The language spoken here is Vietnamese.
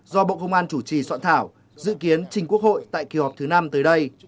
do bộ công an chủ trì soạn thảo dự kiến trình quốc hội tại kỳ họp thứ năm tới đây